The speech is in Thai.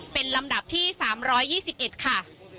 เป็นลำดับที่๓๒๑ค่ะ